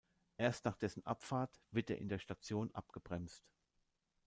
Erst nach dessen Abfahrt wird er in der Station abgebremst.